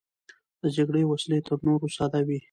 د جګړې وسلې تر نورو ساده وې.